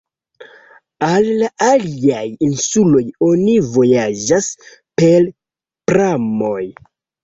Al la aliaj insuloj oni vojaĝas per pramoj.